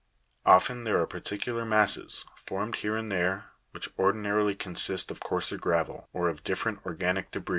Often there are particular masses, d, formed here and there, which ordinarily consist of coarser gravel, or of different organic debris.